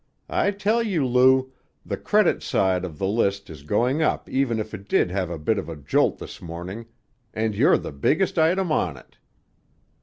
I tell you, Lou, the credit side of the list is going up even if it did have a bit of a jolt this morning, and you're the biggest item on it."